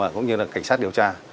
cũng như là cảnh sát điều tra